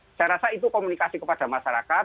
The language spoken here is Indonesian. saya rasa itu komunikasi kepada masyarakat